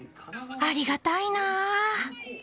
ありがたいな。